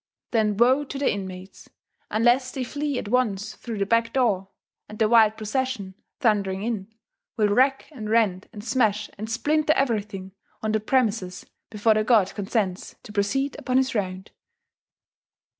Then woe to the inmates, unless they flee at once through the back door; and the wild procession, thundering in, will wreck and rend and smash and splinter everything on the premises before the god consents to proceed upon his round.